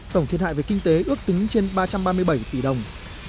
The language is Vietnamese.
tổng thiệt hại về kinh tế ước tính trên ba trăm ba mươi bảy tỷ đồng